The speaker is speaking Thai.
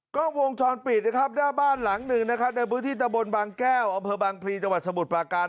กล้องวงช้อนปิดนะครับหน้าบ้านหลังหนึ่งนะครับในพื้นที่ตะบนบางแก้วอพพจสมุดประการ